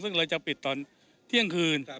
ซึ่งเราจะปิดตอนเที่ยงคืน